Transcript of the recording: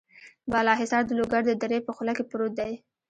بالا حصار د لوګر د درې په خوله کې پروت دی.